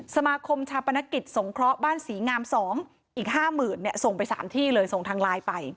สมาคมชาปนกิจสงเคราะห์บ้านศรีงาม๒อีก๕๐๐๐เนี่ยส่งไป๓ที่เลยส่งทางไลน์ไป